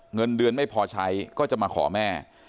เงินเดือนไม่พอใช้ก็จะมาขอแม่